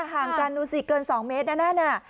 ห่างกันดูสิเกิน๒เมตรนั่นน่ะ